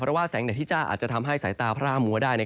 เพราะว่าแสงแดที่จะอาจจะทำให้สายตาพร่ามัวได้